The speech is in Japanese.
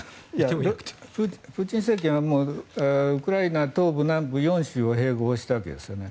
プーチン政権はウクライナ東部、南部４州を併合したわけですよね。